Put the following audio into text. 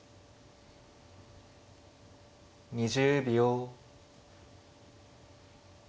２０秒。